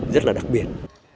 rất là đặc biệt